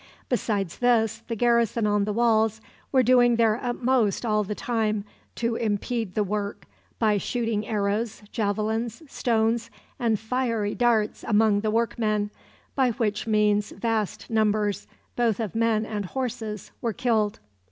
Besides this, the garrison on the walls were doing their utmost all the time to impede the work by shooting arrows, javelins, stones, and fiery darts among the workmen, by which means vast numbers, both of men and horses, were killed.